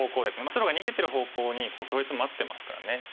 白が逃げてる方向に黒石待ってますからね。